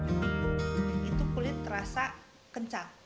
itu kulit terasa kencang